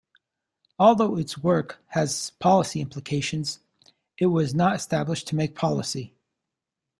Although its work has policy implications, it was not established to make policy.